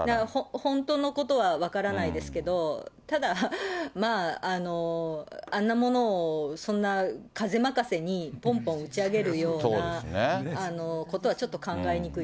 本当のことは分からないですけど、ただ、あんなものを、そんな風任せにぽんぽん打ち上げるようなことはちょっと考えにく